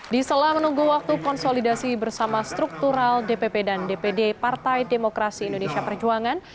di sela menunggu waktu konsolidasi bersama struktural dpp dan dpd partai demokrasi indonesia perjuangan